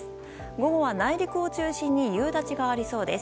午後は内陸を中心に夕立がありそうです。